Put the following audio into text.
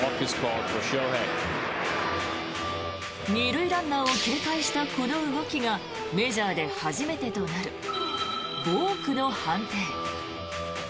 ２塁ランナーを警戒したこの動きがメジャーで初めてとなるボークの判定。